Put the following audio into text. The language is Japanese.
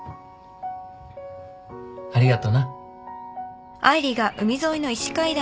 ありがとな。